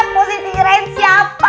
mesti dirain siapa